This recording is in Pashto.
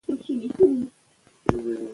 که په تعلیم کې اصلاح وي نو خیانت نه وي.